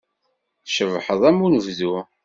Tcebḥeḍ am unebdu.